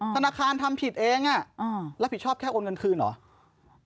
ธนาคารทำผิดเองรับผิดชอบแค่โอนเงินคืนเหรอ